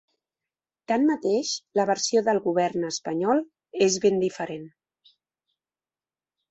Tanmateix, la versió del govern espanyol és ben diferent.